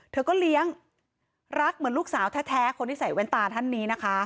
เธอก็เลี้ยงรักเหมือนลูกสาวแท้คนที่ใส่แว่นตาท่านนี้นะคะ